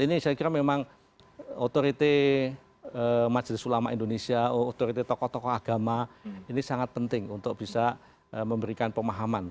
ini saya kira memang otoriti majelis ulama indonesia otoriti tokoh tokoh agama ini sangat penting untuk bisa memberikan pemahaman